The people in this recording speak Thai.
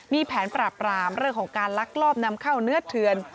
มีแผนปราบรามเรื่องของการลักลอบนำเข้าเนื้อเถือน